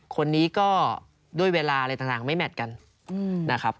คนนี้ก็ด้วยเวลาอะไรต่างไม่แมทกันนะครับ